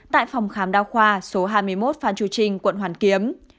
tại phòng khám đa khoa số hai mươi một phan chu trinh quận hoàn kiếm